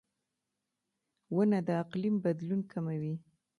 • ونه د اقلیم بدلون کموي.